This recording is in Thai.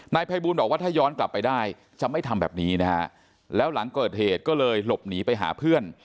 ภัยบูลบอกว่าถ้าย้อนกลับไปได้จะไม่ทำแบบนี้นะฮะแล้วหลังเกิดเหตุก็เลยหลบหนีไปหาเพื่อน